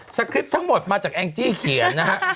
คริปต์ทั้งหมดมาจากแองจี้เขียนนะฮะ